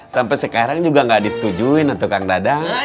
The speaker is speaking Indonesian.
sampai sekarang juga gak disetujuin tukang dadang